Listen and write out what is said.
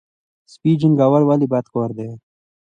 سپي جنګول ولې بد کار دی؟